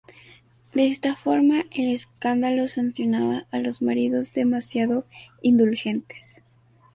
De esta forma, el escándalo sancionaba a los maridos demasiado indulgentes.